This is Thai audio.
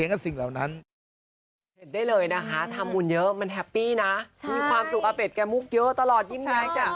ด้วยจะบอกให้เพราะว่ามีแต่ความปัง